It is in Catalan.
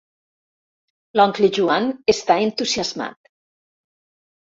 L'oncle Joan està entusiasmat.